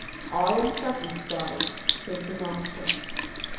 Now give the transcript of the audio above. "I am satisfied," says the master.